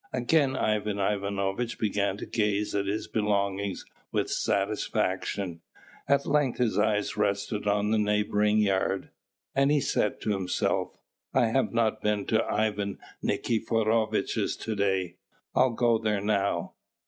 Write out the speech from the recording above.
Again Ivan Ivanovitch began to gaze at his belongings with satisfaction. At length his eye rested on the neighbouring yard; and he said to himself, "I have not been to Ivan Nikiforovitch's to day: I'll go there now."